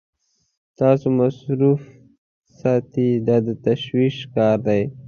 تاسو مصروف ساتي دا د تشویش کار دی.